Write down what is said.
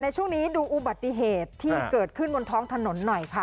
ช่วงนี้ดูอุบัติเหตุที่เกิดขึ้นบนท้องถนนหน่อยค่ะ